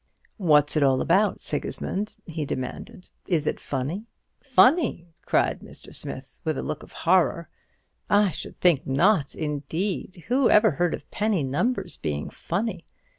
"What's it all about, Sigismund?" he demanded. "Is it funny?" "Funny!" cried Mr. Smith, with a look of horror; "I should think not, indeed. Who ever heard of penny numbers being funny?